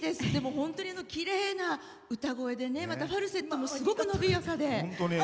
本当にきれいな歌声でファルセットもすごく伸びやかで。